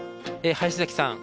林崎さん